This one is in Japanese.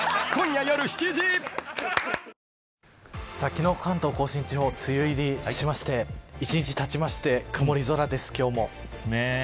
昨日、関東甲信地方梅雨入りしまして１日たちまして曇り空です、今日も。